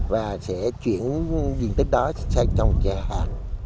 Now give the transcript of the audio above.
và sẽ chuyển diện tích đó sang trồng trà hạ